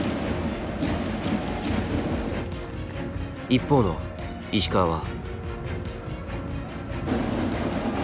一方の石川は。